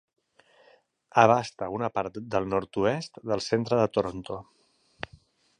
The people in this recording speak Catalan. Abasta una part del nord-oest del centre de Toronto.